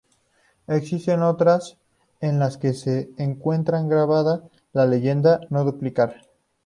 Existen otras en las que se encuentra grabada la leyenda "no duplicar".